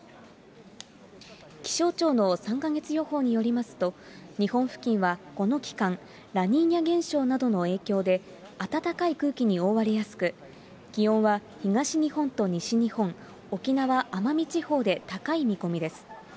気象庁の３か月予報によりますと、日本付近はこの期間、ラニーニャ現象などの影響で暖かい空気に覆われやすく、気温は東日本と西日本、沖縄・奄美地方で高い見込みです。